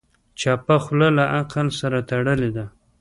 چپه خوله، له عقل سره تړلې ده.